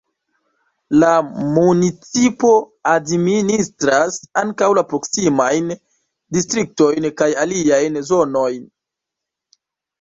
La municipo administras ankaŭ la proksimajn distriktojn kaj aliajn zonojn.